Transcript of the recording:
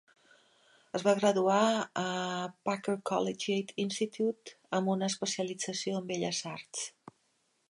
Es va graduar a Packer Collegiate Institute amb una especialització en Belles Arts.